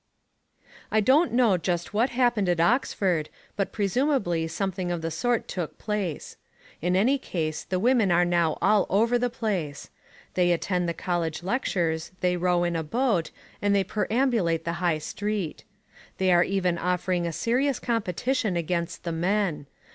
I don't know just what happened at Oxford but presumably something of the sort took place. In any case the women are now all over the place. They attend the college lectures, they row in a boat, and they perambulate the High Street. They are even offering a serious competition against the men.